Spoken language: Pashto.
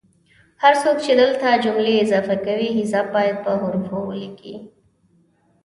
هر څوک چې دلته جملې اضافه کوي حساب باید په حوفو ولیکي